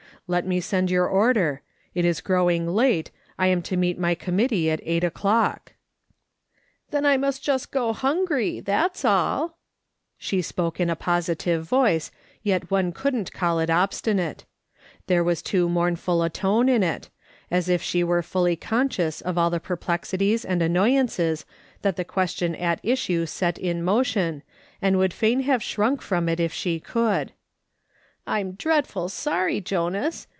Let me send your order ; it is growing late. I am to meet my committee at eight o'clock." 240 MRS. SOLOMON SMITH LOOKING ON. "Then I must just go hungry, tliat's all. She spoke in a positive voice, yet one couldn't call it obstinate. Theve was too mournful a tone in it, as if she were fully conscious of all the perplexities and annoyances that the question at issue set in motion, and would fain have shrunk from it if she could. " I'm dreadful sorry, Jonas.